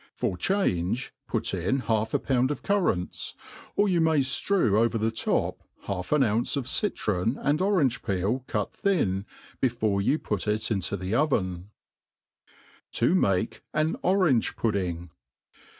For change, put in half a pound of currants ; or you may Arew over the top half an ounce of citron and orange peel cut Ihin, before jrou put it into the oven« To majti an Orang€^Pud£ng.